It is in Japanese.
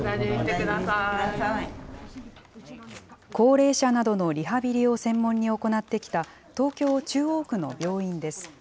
高齢者などのリハビリを専門に行ってきた東京・中央区の病院です。